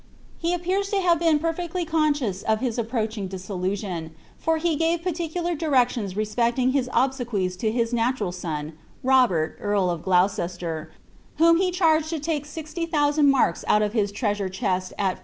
He appears to have been perfectly oao scious of hi* approaching dissolution, for he gave particular directioM respecting his obsequies to his natural son, Robert earl of G1ouc»1ct, whom he charged to take 60,000 marks out of his treaaure chesi U 'Stxoa AaitAlM.